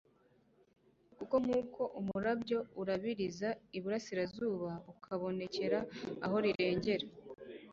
kuko nk’uko umurabyo urabiriza iburasirazuba ukabonekera aho rirengera,